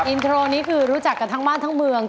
อินโทรนี้คือรู้จักกันทั้งบ้านทั้งเมือง